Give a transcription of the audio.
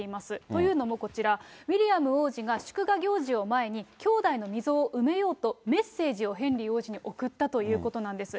というのもこちら、ウィリアム王子が祝賀行事を前に、兄弟の溝を埋めようと、メッセージをヘンリー王子に送ったということなんです。